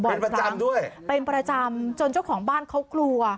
เป็นประจำด้วยเป็นประจำจนเจ้าของบ้านเขากลัว